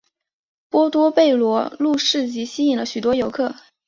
波多贝罗路市集吸引了许多游客。